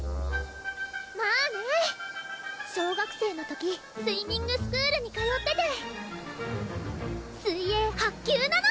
まぁね小学生の時スイミングスクールに通ってて水泳８級なの！